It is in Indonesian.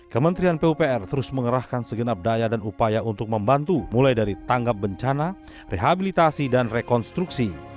kementerian pupr terus mengerahkan segenap daya dan upaya untuk membantu mulai dari tanggap bencana rehabilitasi dan rekonstruksi